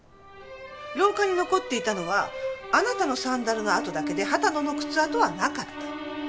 廊下に残っていたのはあなたのサンダルの跡だけで秦野の靴跡はなかった。